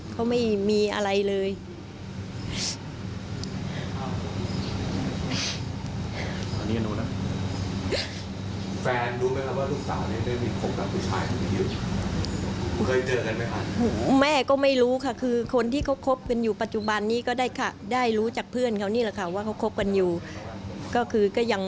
ผู้ข้างหิวจบว่าเคยเจอกันไหมค่ะ